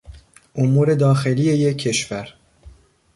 امور داخلی یک کشور